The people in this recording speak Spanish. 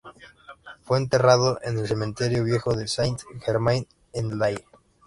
Fue enterrado en el Cementerio viejo de Saint-Germain-en-Laye.